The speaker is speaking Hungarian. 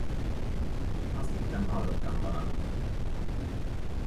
Azt hittem, hallottam valamit.